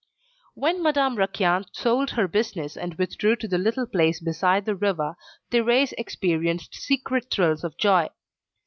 When Madame Raquin sold her business, and withdrew to the little place beside the river, Thérèse experienced secret thrills of joy.